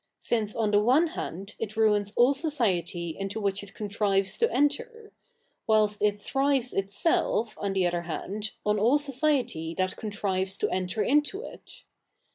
ice on the one hand it ruins all society into which it contrives to entir ; whilst it thrives itself, on the other hand, 071 all society that contrives to enter into it.